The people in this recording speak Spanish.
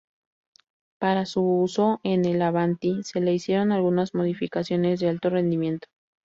Para su uso en el Avanti, se le hicieron algunas modificaciones de alto rendimiento.